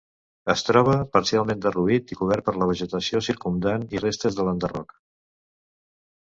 Es troba parcialment derruït i cobert per la vegetació circumdant i restes de l'enderroc.